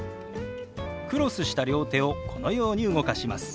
クロスした両手をこのように動かします。